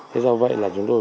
thế do vậy là chúng tôi